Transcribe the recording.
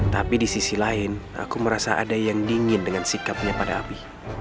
tapi di sisi lain aku merasa ada yang dingin dengan sikapnya pada api